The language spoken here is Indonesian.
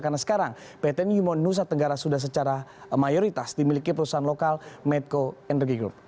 karena sekarang pt newmont nusa tenggara sudah secara mayoritas dimiliki perusahaan lokal medco energy group